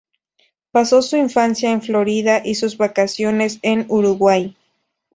Pasó su infancia en Florida y sus vacaciones en Uruguay.